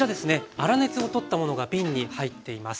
粗熱を取ったものが瓶に入っています。